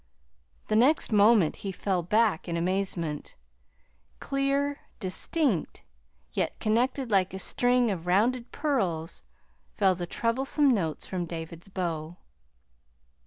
The next moment he fell back in amazement. Clear, distinct, yet connected like a string of rounded pearls fell the troublesome notes from David's bow.